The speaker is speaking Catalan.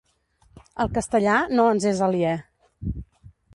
El castellà no ens és aliè.